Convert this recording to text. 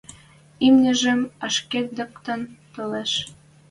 Имнижӹм ашкедӹктен толеш.